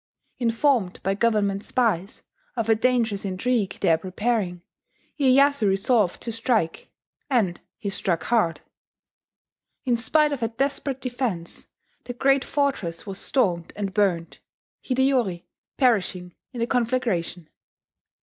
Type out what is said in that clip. Informed by government spies of a dangerous intrigue there preparing, Iyeyasu resolved to strike; and he struck hard. In spite of a desperate defence, the great fortress was stormed and burnt Hideyori perishing in the conflagration.